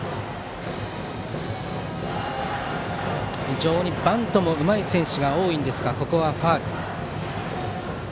非常にバントもうまい選手が多いんですがここはファウルでした。